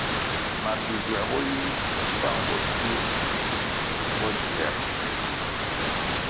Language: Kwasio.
Mabi-nzuer bo yi mpang bo tsir bo dzier.